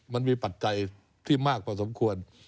มันมีปัจจัยที่มากพอสมควร